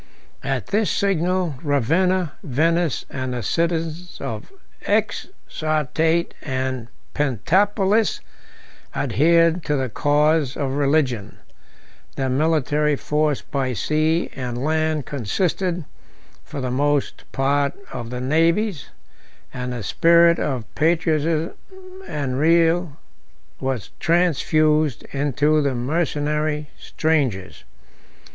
37 At this signal, Ravenna, Venice, and the cities of the Exarchate and Pentapolis, adhered to the cause of religion; their military force by sea and land consisted, for the most part, of the natives; and the spirit of patriotism and zeal was transfused into the mercenary strangers.